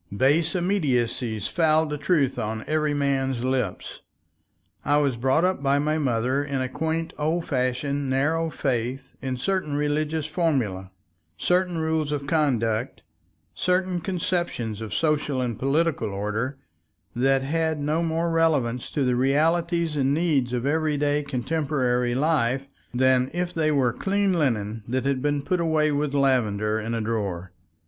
Base immediacies fouled the truth on every man's lips. I was brought up by my mother in a quaint old fashioned narrow faith in certain religious formulae, certain rules of conduct, certain conceptions of social and political order, that had no more relevance to the realities and needs of everyday contemporary life than if they were clean linen that had been put away with lavender in a drawer.